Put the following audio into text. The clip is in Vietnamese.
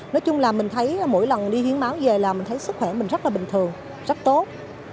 nói chung là mình thấy mỗi lần đi hiến máu về là mình thấy sức khỏe mình rất là bình thường rất tốt